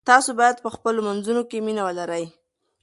تاسو باید په خپلو منځونو کې مینه ولرئ.